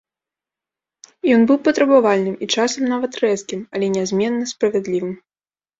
Ён быў патрабавальным і часам нават рэзкім, але нязменна справядлівым.